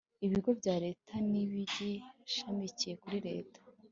bigo bya Leta n ibishamikiye kuri Leta